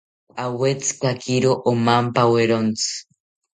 Awetzikakiro omampawerontzi